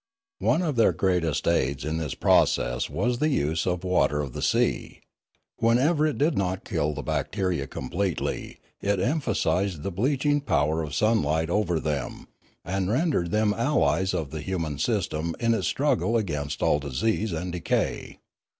One of their greatest aids in this process was the use of the water of the sea; wherever it did not kill the bacteria completely, it emphasised the bleaching power of sun light over them and rendered them the allies of the human system in its struggle against all disease and decay.